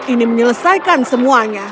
ini menyelesaikan semuanya